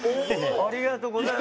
ありがとうございます。